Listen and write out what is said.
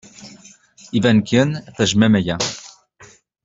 Iban kan tejjmem aya.